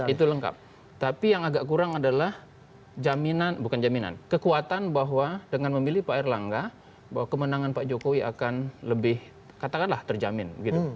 itu lengkap tapi yang agak kurang adalah jaminan bukan jaminan kekuatan bahwa dengan memilih pak erlangga bahwa kemenangan pak jokowi akan lebih katakanlah terjamin